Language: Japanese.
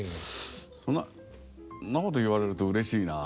そんなこと言われるとうれしいなぁ。